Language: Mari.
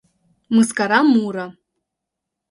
Мыскара муро